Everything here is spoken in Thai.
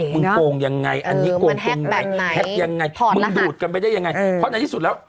มึงโกงยังไงอันนี้โกงตรงไหนแฮ็กยังไงมึงดูดกันไปได้ยังไงเพราะในที่สุดแล้ว